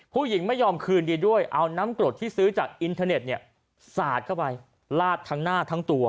ผู้หญิงไม่ยอมคืนดีด้วยเอาน้ำกรดที่ซื้อจากอินเทอร์เน็ตเนี่ยสาดเข้าไปลาดทั้งหน้าทั้งตัว